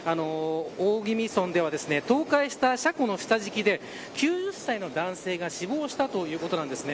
大宜味村では倒壊した車庫の下敷きで９０歳の男性が死亡したということです。